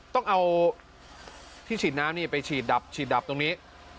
ต้องเอาที่ฉีดน้ำนี่ไปฉีดดับฉีดดับตรงนี้